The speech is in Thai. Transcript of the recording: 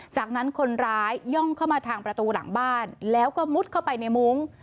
จากนั้นคนร้ายย่องเข้ามาทางประตูหลังบ้านแล้วก็มุดเข้าไปในมุ้ง